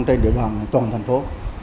trên địa bàn toàn thành phố